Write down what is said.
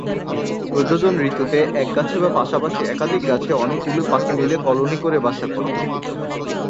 প্রজনন ঋতুতে এক গাছে বা পাশাপাশি একাধিক গাছে অনেকগুলো পাখি মিলে কলোনি করে বাসা করে।